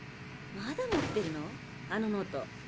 まだ持ってるのあのノート。